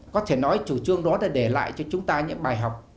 có thể nói chủ trương đó đã để lại cho chúng ta những bài học